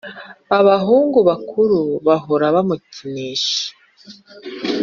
abahungu bakuru bahora bamukinisha.